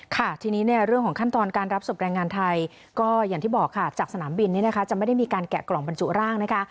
ค่ะทีนี้เนี่ยเรื่องของขั้นตอนการรับศพแรงงานไทยก็อย่างที่บอกค่ะจากสนามบินเนี่ยนะคะจะไม่ได้มีการแกะกล่องบรรจุร่างนะคะ